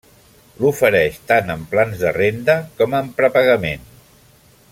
L'ofereix tant en Plans de Renda com en Prepagament.